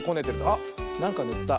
あっなんかぬった。